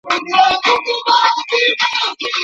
علمي سیمینار سمدستي نه لغوه کیږي.